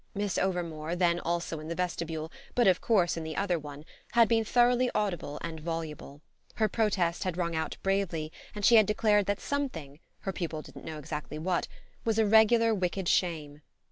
Miss Overmore, then also in the vestibule, but of course in the other one, had been thoroughly audible and voluble; her protest had rung out bravely and she had declared that something her pupil didn't know exactly what was a regular wicked shame.